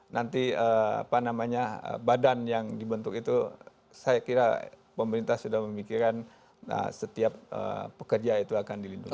nanti apa namanya badan yang dibentuk itu saya kira pemerintah sudah memikirkan setiap pekerja itu akan dilindungi